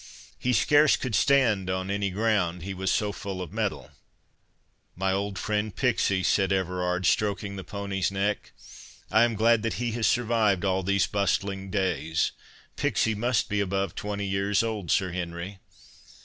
He scarce could stand on any ground, He was so full of mettle.'" "My old friend, Pixie," said Everard, stroking the pony's neck, "I am glad that he has survived all these bustling days—Pixie must be above twenty years old, Sir Henry?"